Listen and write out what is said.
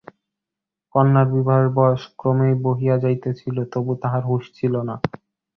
কন্যার বিবাহের বয়স ক্রমেই বহিয়া যাইতেছিল, তবু তাহার হুঁশ ছিল না।